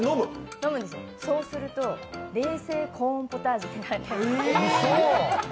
そうすると冷製コーンポタージュになります。